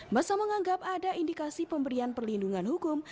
masa menganggap ada indikasi pemberian perlindungan hukum